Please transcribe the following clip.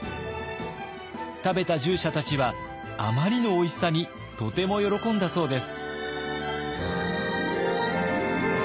食べた従者たちはあまりのおいしさにとても喜んだそうです。